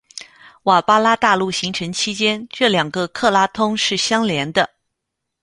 瓦巴拉大陆形成期间这两个克拉通是相连的。